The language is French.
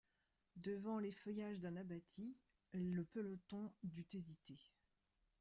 Devant les feuillages d'un abatis, le peloton dut hésiter.